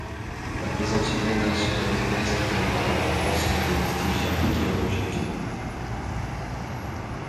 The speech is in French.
La présence humaine se manifeste dans l'abondance des vestiges archéologiques.